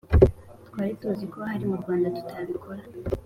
“twari tuziko ahari mu rwanda tutabikora,